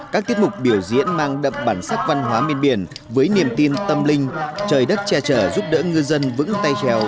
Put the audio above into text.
các tiết mục biểu diễn mang đậm bản sắc văn hóa bên biển với niềm tin tâm linh trời đất che chở giúp đỡ ngư dân vững tay trèo